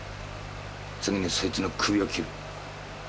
次にそいつの首を切る。